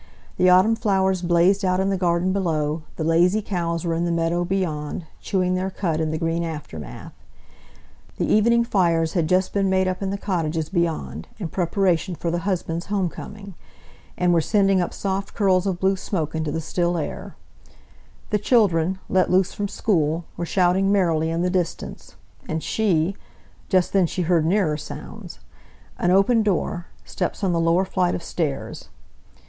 The autumn flowers blazed out in the garden below, the lazy cows were in the meadow beyond, chewing their cud in the green aftermath; the evening fires had just been made up in the cottages beyond, in preparation for the husband's home coming, and were sending up soft curls of blue smoke into the still air; the children, let loose from school, were shouting merrily in the distance, and she Just then she heard nearer sounds; an opened door, steps on the lower flight of stairs.